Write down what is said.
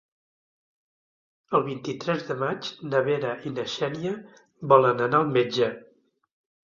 El vint-i-tres de maig na Vera i na Xènia volen anar al metge.